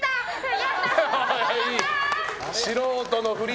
やったー！